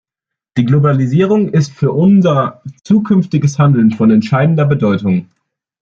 Die Globalisierung ist für unser künftiges Handeln von entscheidender Bedeutung.